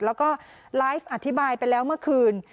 แล้วก็ไลฟ์อธิบายไปแล้วเมื่อคืน